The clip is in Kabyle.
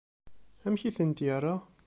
Amek i tent-yerra?